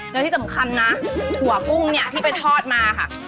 แล้วที่สำคัญนะถั่วกุ้งเนี่ยที่ไปทอดมาค่ะ